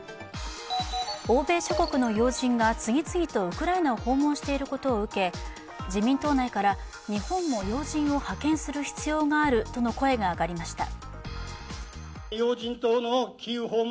欧米諸国の要人が次々とウクライナを訪問していることを受け自民党内から日本も要人を派遣する必要があるとの声が上がりました。